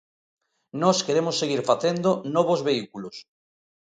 Nós queremos seguir facendo novos vehículos.